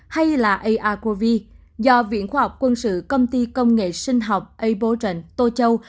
hay là arcovi do viện khoa học quân sự công ty công nghệ sinh học ableton tô châu